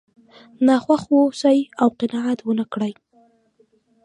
ناخوښ واوسئ او قناعت ونه کړئ.